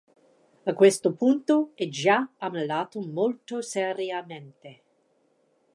A questo punto è già ammalato molto seriamente.